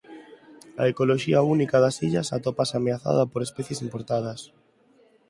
A ecoloxía única das illas atópase ameazada por especies importadas.